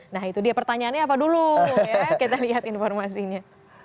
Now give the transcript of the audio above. nah itu dia pertanyaannya apa dulu ya kita lihat informasinya